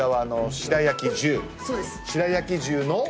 白焼重の。